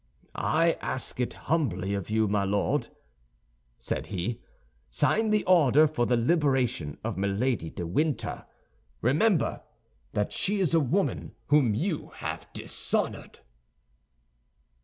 "I ask it humbly of you, my Lord," said he; "sign the order for the liberation of Milady de Winter. Remember that she is a woman whom you have dishonored."